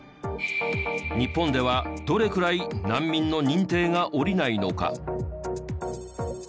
日本ではどれくらい難民の認定が下りないのか。